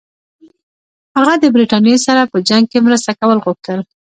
هغه د برټانیې سره په جنګ کې مرسته کول غوښتل.